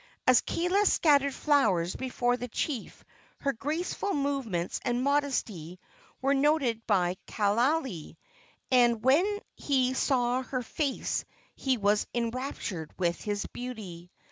As Kaala scattered flowers before the chief her graceful movements and modesty were noted by Kaaialii, and when he saw her face he was enraptured with its beauty.